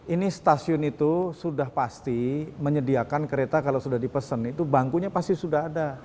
ini stasiun itu sudah pasti menyediakan kereta kalau sudah dipesan itu bangkunya pasti sudah ada